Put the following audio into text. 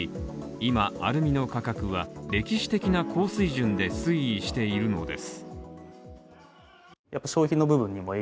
今、アルミの価格は歴史的な高水準で推移しているのです。